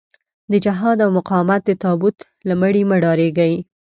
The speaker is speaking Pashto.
د جهاد او مقاومت د تابوت له مړي مه ډارېږئ.